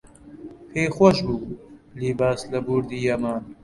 پێی خۆش بوو لیباس لە بوردی یەمان